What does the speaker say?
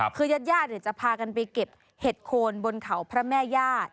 คือญาติจะพากันไปเก็บเห็ดโคนบนเขาพระแม่ญาติ